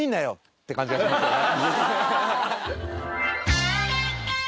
って感じがしますよね。